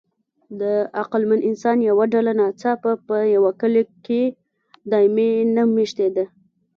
د عقلمن انسان یوه ډله ناڅاپه په یوه کلي کې دایمي نه مېشتېده.